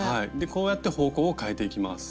こうやって方向を変えていきます。